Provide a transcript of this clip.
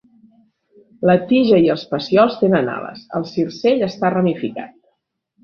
La tija i els pecíols tenen ales el circell està ramificat.